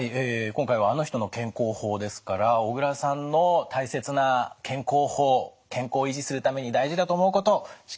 今回は「あの人の健康法」ですから小倉さんの大切な健康法健康を維持するために大事だと思うこと色紙に書いていただきました。